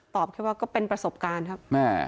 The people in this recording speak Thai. แค่ว่าก็เป็นประสบการณ์ครับ